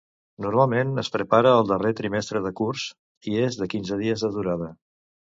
Normalment es prepara el darrer trimestre de curs, i és de quinze dies de durada.